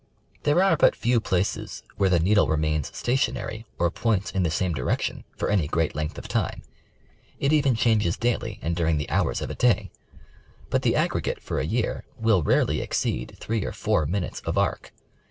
There are but few places where the needle remains stationary, or points in the same direction, for any great length of time ; it even changes daily and during the hours of a day ; but the aggregate for a year will rarely exceed three or four minutes of arc.